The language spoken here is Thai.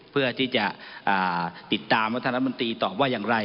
เพื่อที่จะติดตามว่าท่านรัฐมนตรีตอบว่าอย่างไร